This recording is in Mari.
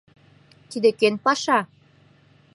Тиде кӧн паша?